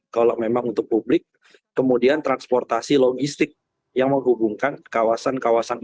kalau memang untuk publik kemudian transportasi logistik yang menghubungkan kawasan kawasan